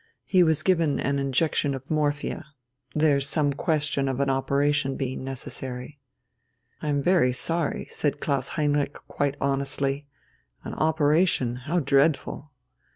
He was given an injection of morphia. There's some question of an operation being necessary." "I am very sorry," said Klaus Heinrich quite honestly. "An operation? How dreadful!"